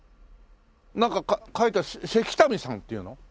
なんか書いて関民さんっていうの？